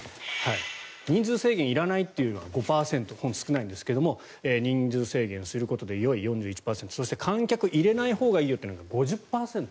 人数制限いらないっていうのは５％、少ないんですけども人数制限することでよいが４１％そして、観客を入れないほうがいいよというのが５０％。